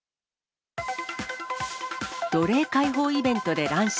奴隷解放イベントで乱射。